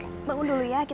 ini pasti haus lagi